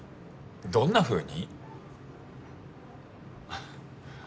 どんなふうに！？